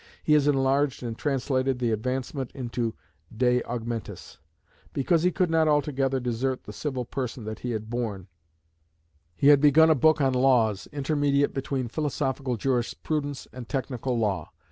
He has enlarged and translated the Advancement into the De Augmentis. "Because he could not altogether desert the civil person that he had borne," he had begun a work on Laws, intermediate between philosophical jurisprudence and technical law.